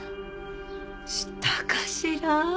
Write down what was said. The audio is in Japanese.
したかしら